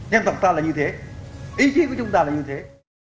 dân tộc ta là như thế ý chí của chúng ta là như thế